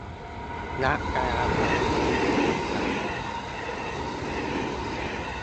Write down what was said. นักกายภาพใช้มือสัมผัส